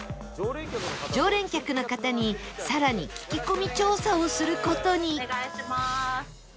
常連客の方にさらに聞き込み調査をする事に